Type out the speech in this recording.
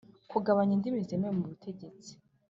kugabanya indimi zemewe mu butegetsi